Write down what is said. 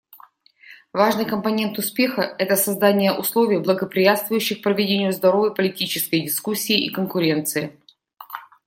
Важный компонент успеха — это создание условий, благоприятствующих проведению здоровой политической дискуссии и конкуренции.